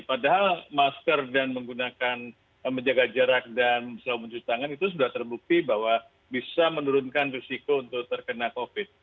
padahal masker dan menggunakan menjaga jarak dan selalu mencuci tangan itu sudah terbukti bahwa bisa menurunkan risiko untuk terkena covid